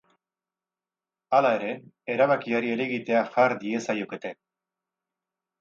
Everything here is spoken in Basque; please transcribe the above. Hala ere, erabakiari helegitea jar diezaiokete.